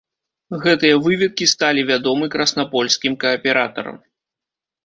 Гэтыя выведкі сталі вядомы краснапольскім кааператарам.